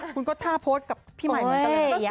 คุณก็ท่าโพสต์กับพี่ใหม่เหมือนกันเลย